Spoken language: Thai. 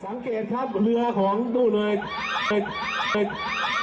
สังเกตครับเรือของตู้นอยก